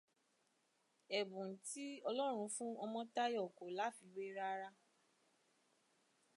Ẹ̀bùn tí Ọlọ́run fún Ọmọ́táyọ̀ kò láfiwé rárá.